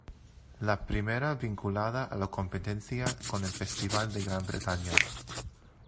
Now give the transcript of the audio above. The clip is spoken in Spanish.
La primera vinculada a la competencia con el Festival de Gran Bretaña.